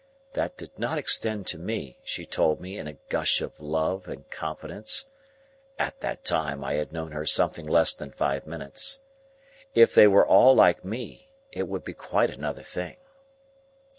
That did not extend to me, she told me in a gush of love and confidence (at that time, I had known her something less than five minutes); if they were all like Me, it would be quite another thing.